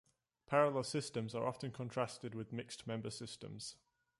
Parallel systems are often contrasted with Mixed Member systems.